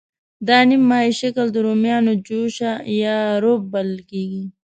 دا نیم مایع شکل د رومیانو جوشه یا روب بلل کېږي.